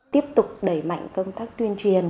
tiếp tục đề mạnh công tác tuyên truyền